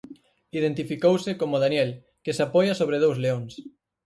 Identificouse como Daniel, que se apoia sobre dous leóns.